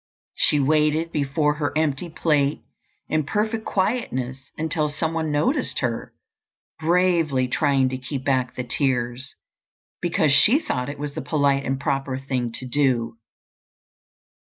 She waited before her empty plate in perfect quietness until some one noticed her, bravely trying to keep back the tears, because she thought it was the polite and proper thing to do.